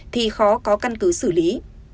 thì khó có căn cứ xử lý